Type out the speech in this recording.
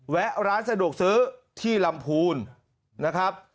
แวะร้านสะดวกซื้อที่ลำพูนนะครับ